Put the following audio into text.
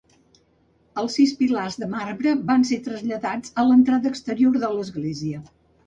Els sis pilars de marbre van ser traslladats a l'entrada exterior de l'església.